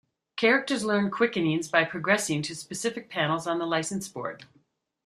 Characters learn Quickenings by progressing to specific panels on the License Board.